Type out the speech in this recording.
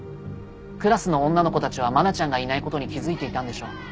クラスの女の子たちは愛菜ちゃんがいないことに気付いていたんでしょう。